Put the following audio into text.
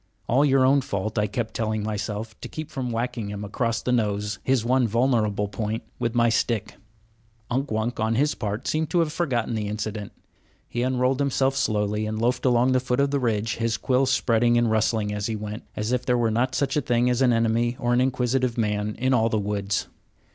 "All your own fault," I kept telling myself, to keep from whacking him across the nose, his one vulnerable point, with my stick. Unk Wunk, on his part, seemed to have forgotten the incident. He unrolled himself slowly and loafed along the foot of the ridge, his quills spreading and rustling as he went, as if there were not such a thing as an enemy or an inquisitive man in all the woods.